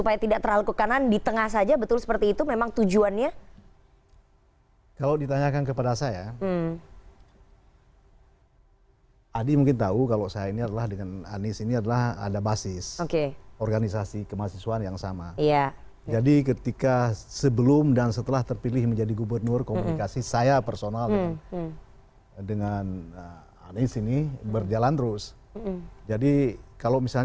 yakin kalau tidak memperbaiki